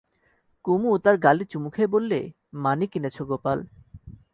কুমু তার গালে চুমু খেয়ে বললে, মানিক এনেছ গোপাল।